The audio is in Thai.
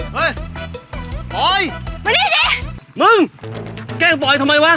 เฮ้ยปล่อยมานี่ดิมึงแกล้งปล่อยทำไมวะ